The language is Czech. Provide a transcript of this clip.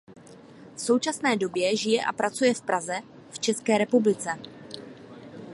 V současné době žije a pracuje v Praze v České republice.